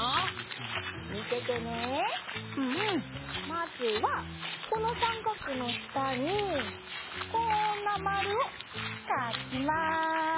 まずはこのさんかくのしたにこんなまるをかきます。